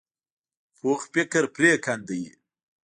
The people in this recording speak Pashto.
پوخ فکر پرېکنده وي